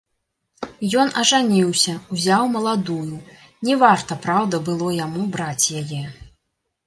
Ён ажаніўся, узяў маладую, не варта, праўда, было яму браць яе.